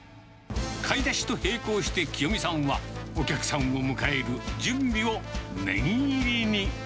買い出しと並行してきよみさんは、お客さんを迎える準備を念入りに。